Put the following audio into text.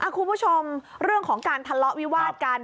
คุณผู้ชมเรื่องของการทะเลาะวิวาดกัน